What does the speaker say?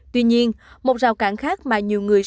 tuy nhiên một rào cản khác mà nhiều người